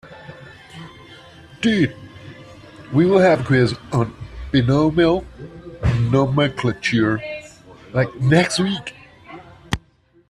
We will have a quiz on binomial nomenclature next week.